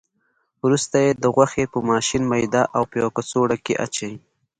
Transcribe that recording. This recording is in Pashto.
وروسته یې د غوښې په ماشین میده او په یوه کڅوړه کې اچوي.